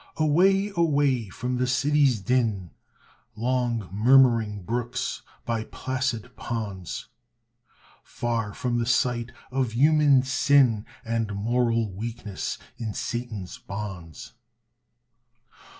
Away, away, from the city's din, Long murmuring brooks, by placid ponds; Far from the sight of human sin, And moral weakness in Satan's bonds.